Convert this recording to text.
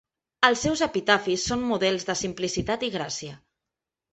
Els seus epitafis són models de simplicitat i gràcia.